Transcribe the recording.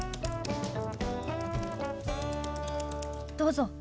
どうぞ。